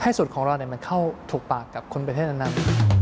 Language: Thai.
ให้สุดของเราเข้าถูกปากกับคนประเทศนั้นนั้น